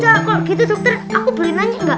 kalau gitu dokter aku boleh nanya gak